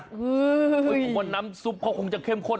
คุณพี่น้ำซุปเค้าคงจะเข้มข้น